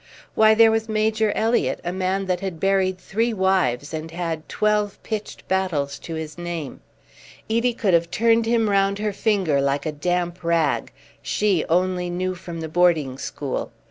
Why, there was Major Elliott, a man that had buried three wives, and had twelve pitched battles to his name, Edie could have turned him round her finger like a damp rag she, only new from the boarding school.